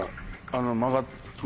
あの曲がって？